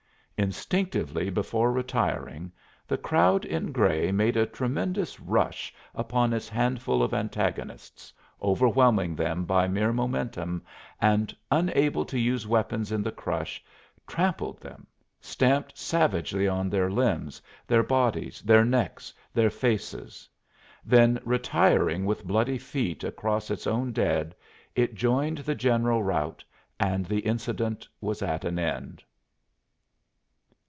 Instinctively before retiring, the crowd in gray made a tremendous rush upon its handful of antagonists, overwhelming them by mere momentum and, unable to use weapons in the crush, trampled them, stamped savagely on their limbs, their bodies, their necks, their faces; then retiring with bloody feet across its own dead it joined the general rout and the incident was at an end.